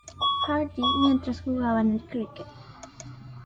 Hardy mientras jugaban al cricket.